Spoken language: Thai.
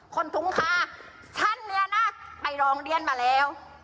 คนทุงค่ะชั้นเรียน่ะไปรองเรียนมาแล้ว